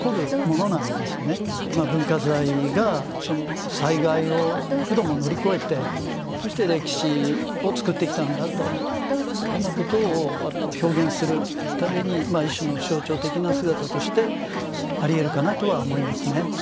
文化財がその災害を幾度も乗り越えてそして歴史をつくってきたんだというようなことを表現するために一種の象徴的な姿としてありえるかなとは思いますね。